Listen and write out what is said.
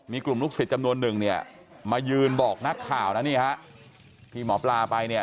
มีกลุ่มลูกศิษย์จำนวนหนึ่งเนี่ยมายืนบอกนักข่าวนะนี่ฮะที่หมอปลาไปเนี่ย